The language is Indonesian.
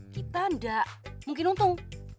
kita ndak mungkin untung